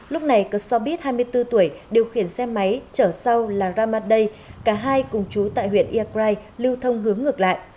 lúc này cực so biết hai mươi bốn tuổi điều khiển xe máy chở sau là ramaday cả hai cùng chú tại huyện ia krai lưu thông hướng ngược lại